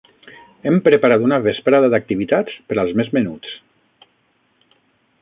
Hem preparat una vesprada d'activitats per als més menuts.